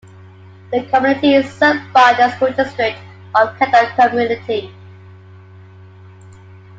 The community is served by the School District of Cadott Community.